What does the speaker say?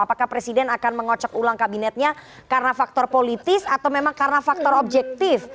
apakah presiden akan mengocok ulang kabinetnya karena faktor politis atau memang karena faktor objektif